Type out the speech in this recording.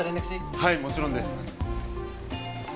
はいもちろんです